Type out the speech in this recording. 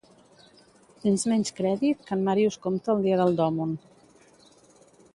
Tens menys crèdit que en Màrius Comte el dia del Dòmund